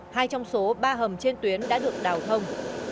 hai trong số ba hầm trên tuyến đã được đào thông